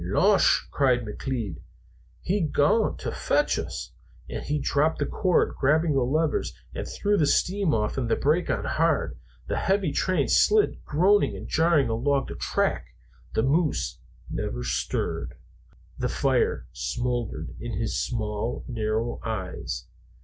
"Losh!" cried McLeod; "he's gaun' to fecht us!" and he dropped the cord, grabbed the levers, and threw the steam off and the brakes on hard. The heavy train slid groaning and jarring along the track. The moose never stirred. The fire smoldered in his small narrow eyes.